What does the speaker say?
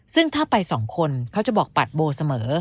ซึ่งถ้าไปสองคนเขาจะบอกปัดโบเสมอ